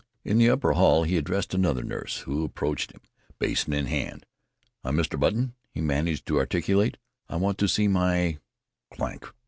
In the upper hall he addressed another nurse who approached him, basin in hand. "I'm Mr. Button," he managed to articulate. "I want to see my " Clank!